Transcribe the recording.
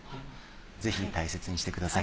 ぜひ大切にしてください。